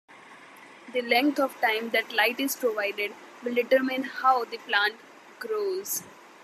The length of time that light is provided will determine how the plant grows.